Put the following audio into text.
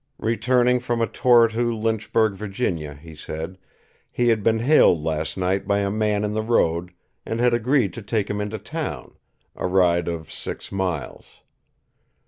Returning from a tour to Lynchburg, Virginia, he said, he had been hailed last night by a man in the road and had agreed to take him into town, a ride of six miles.